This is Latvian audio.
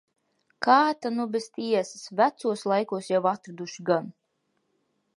Kā ta nu bez tiesas. Vecos laikos jau atraduši gan.